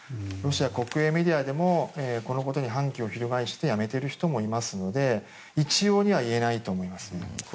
ロシア国営メディアでもこのことに反旗を翻してやめている人もいますので一様には言えないと思います。